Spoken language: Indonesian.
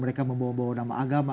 mereka membawa bawa nama agama